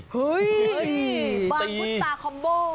เฮ้ยบางพุษาคอมโบ